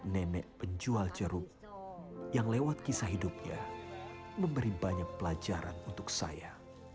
nenek penjual jeruk yang lewat kisah hidupnya memberi banyak pelajaran untuk saya